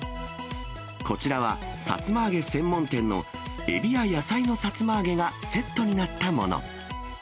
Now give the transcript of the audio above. こちらはさつま揚げ専門店のエビや野菜のさつま揚げがセットになったもの。